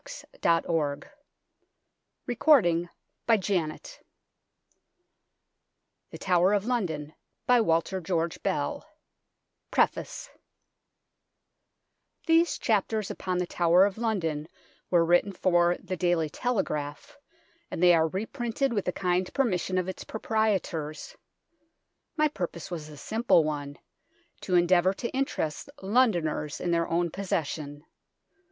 63 JACOBITE LORDS' STONE 82 THE DUDLEY REBUS 107 QUEEN JANE INSCRIPTION 109 PREFACE THESE chapters upon the Tower of London were written for " The Daily Telegraph," and they are reprinted with the kind permission of its proprietors. My purpose was a simple one, to endeavour to interest Londoners in their own possession.